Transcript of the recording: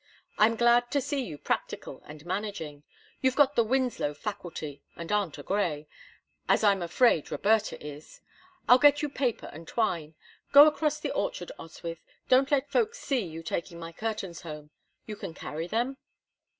I'm glad to see you practical and managing; you've got the Winslow faculty, and aren't a Grey, as I'm afraid Roberta is. I'll get you paper and twine. Go across the orchard, Oswyth; don't let folks see you taking my curtains home. Can you carry them?"